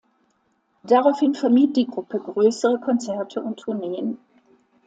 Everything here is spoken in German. Daraufhin vermied die Gruppe größere Konzerte und Tourneen.